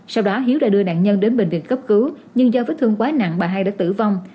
sau đó hiếu đã đưa nạn nhân đến bệnh viện cấp cứu nhưng do vết thương quá nặng bà hai đã tử vong